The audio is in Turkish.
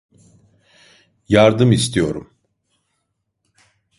Yardım istiyorum.